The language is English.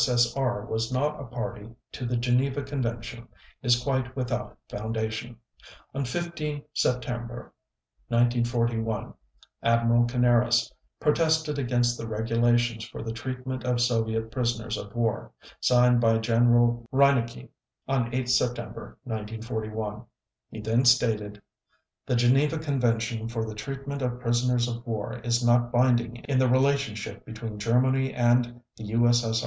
S.S.R. was not a party to the Geneva Convention, is quite without foundation. On 15 September 1941 Admiral Canaris protested against the regulations for the treatment of Soviet prisoners of war, signed by General Reinecke on 8 September 1941. He then stated: "The Geneva Convention for the treatment of prisoners of war is not binding in the relationship between Germany and the U.S.S.